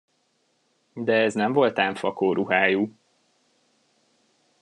De ez nem volt ám fakó ruhájú!